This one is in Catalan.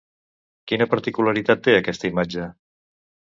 Quina particularitat té aquesta imatge?